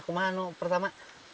kamu tadi mau berapa pertama